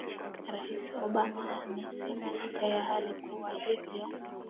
rais obama amesema licha ya hali kuwa hivyo